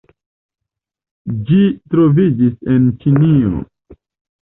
Ĝi troviĝis en Ĉinio.